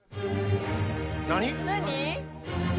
何？